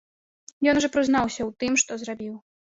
Ён ужо прызнаўся ў тым, што зрабіў.